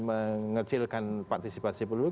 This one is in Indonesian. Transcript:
mengecilkan partisipasi peluru